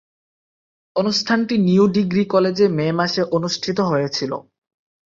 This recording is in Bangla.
অনুষ্ঠানটি নিউ ডিগ্রি কলেজে মে মাসে অনুষ্ঠিত হয়েছিলো।